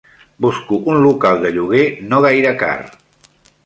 Busco un local de lloguer no gaire car.